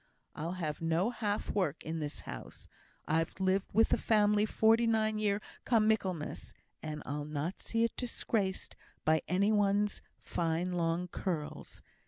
I'll have no half work in this house. I've lived with the family forty nine year come Michaelmas, and I'll not see it disgraced by any one's fine long curls.